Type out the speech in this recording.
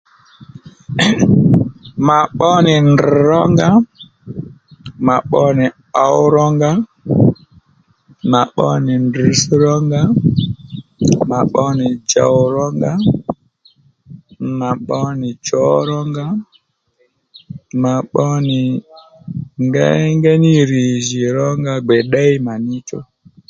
Mà pbo nì ndrr̀ rónga mà pbo nì ǒw rónga mà pbo nì ndrrtsś rónga mà pbo nì djòw rónga mà pbo nì chǒ rónga mà pbo nì ngéyngéy ní rì jì rónga gbè ddéy mà níchú